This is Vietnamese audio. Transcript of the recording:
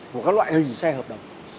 của các loại hình xe hợp lý